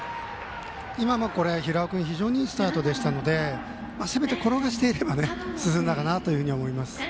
今も平尾君非常にいいスタートでしたのでせめて転がしていれば進んだかなと思います。